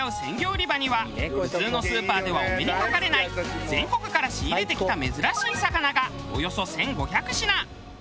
売り場には普通のスーパーではお目にかかれない全国から仕入れてきた珍しい魚がおよそ１５００品。